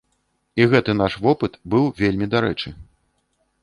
І гэты наш вопыт быў вельмі дарэчы.